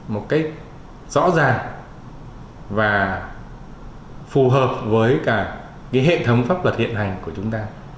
một cách rõ ràng và phù hợp với cả hệ thống pháp luật hiện hành của chúng ta